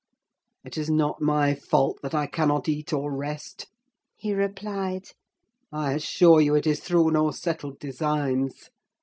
"It is not my fault that I cannot eat or rest," he replied. "I assure you it is through no settled designs.